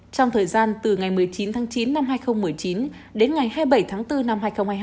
trong thời gian từ ngày một mươi chín tháng chín năm hai nghìn một mươi chín đến ngày hai mươi bảy tháng bốn năm hai nghìn hai mươi hai